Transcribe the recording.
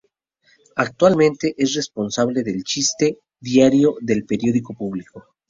Actualmente, es responsable del chiste diario del periódico Público.